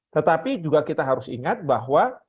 tetapi juga kita harus ingat bahwa